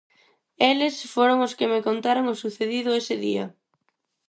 Eles foron os que me contaron o sucedido ese día.